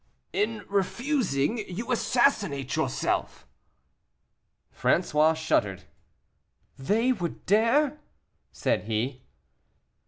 "In refusing, you assassinate yourself." François shuddered. "They would dare?" said he.